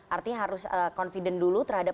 artinya harus confident dulu terhadap